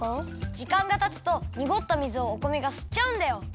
じかんがたつとにごった水をお米がすっちゃうんだよ。